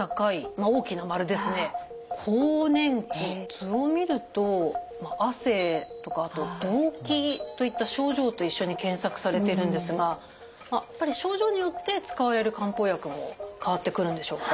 図を見ると「汗」とかあと「動悸」といった症状と一緒に検索されているんですがやっぱり症状によって使われる漢方薬も変わってくるんでしょうか？